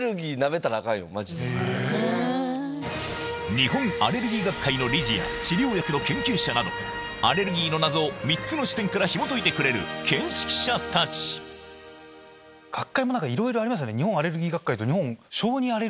日本アレルギー学会の理事や治療薬の研究者などアレルギーの謎を３つの視点からひもといてくれる見識者たち学会もいろいろありますよね。